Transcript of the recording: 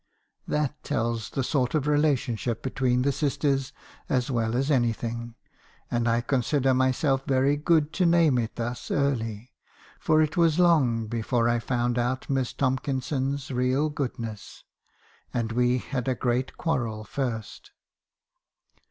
That tells the sort of relationship between the sisters as well as anything, and I consider myself very good to name it thus early, for it was long before I found out Miss Tomkinson's real good ness; and we had a great quarrel first.